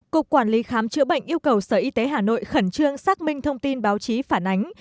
cục quản lý khám chữa bệnh yêu cầu sở y tế hà nội khẩn trương xác minh thông tin báo chí phản ánh